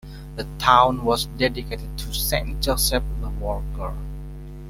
The town was dedicated to Saint Joseph the Worker.